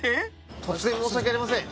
突然申し訳ありません。